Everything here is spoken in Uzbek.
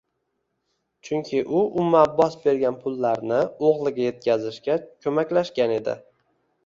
Chunki u Ummu Abbos bergan pullarni o`g`liga etkazishga ko`maklashgan edi